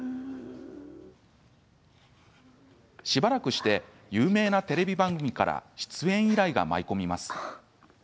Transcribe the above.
しばらくして有名なテレビ番組から出演依頼が舞い込みます。